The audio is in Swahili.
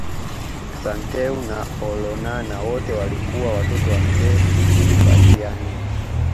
Santeu na Olonana wote walikuwa Watoto wa mzee Mbatiany